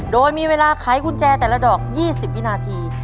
โดยมีเวลาไขกุญแจแต่ละดอก๒๐วินาที